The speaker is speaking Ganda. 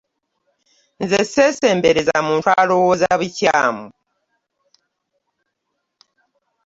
nze seesembereza muntu alowooza bikyamu.